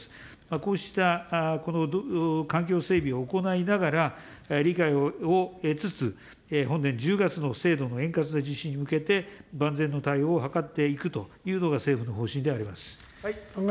こうした、環境整備を行いながら、理解を得つつ、本年１０月の制度の円滑な実施に向けて、万全の対応を図っていくというのが、政府の方針であります。